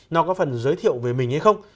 nó có phần giới thiệu về mình hay không